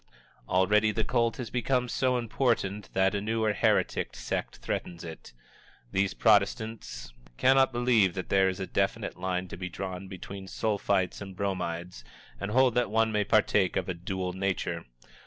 Already the cult has become so important that a newer heretic sect threatens it. These protestants cannot believe that there is a definite line to be drawn between Sulphites and Bromides, and hold that one may partake of a dual nature.